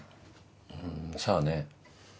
うんさあね。